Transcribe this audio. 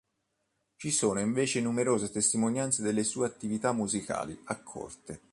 Ci sono invece numerose testimonianze delle sue attività musicali a corte.